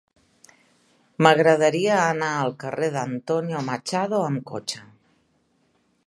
M'agradaria anar al carrer d'Antonio Machado amb cotxe.